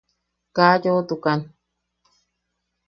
Kaa yoʼotukan.